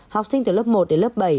học sinh từ lớp một đến lớp bảy